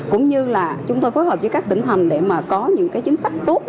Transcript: cũng như là chúng tôi phối hợp với các tỉnh thành để có những chính sách tốt